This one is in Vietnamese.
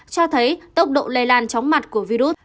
cho thấy tốc độ lây lan chóng mặt của virus